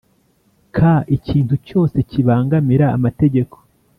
k Ikintu cyose kibangamira amategeko